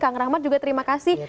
kang rahmat juga terima kasih